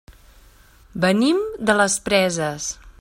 Venim de les Preses.